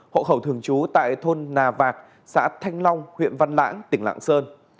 hộ khẩu thường chú tại thôn nà vạc xã thanh long huyện văn lãng tỉnh lãng sơn